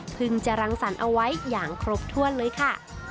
จะรังสรรค์เอาไว้อย่างครบถ้วนเลยค่ะ